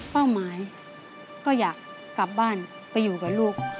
เป้าหมายก็อยากกลับบ้านไปอยู่กับลูก